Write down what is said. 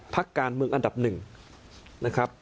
พักการเมืองอันดับ๑